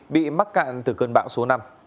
bị mắc cạn từ cơn bão số năm